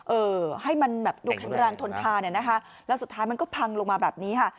เออให้มันแบบดูแข็งแรงทนทานเนี่ยนะคะแล้วสุดท้ายมันก็พังลงมาแบบนี้ค่ะ